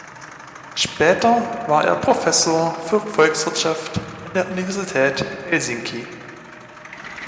Später war er Professor für Volkswirtschaft an der Universität Helsinki.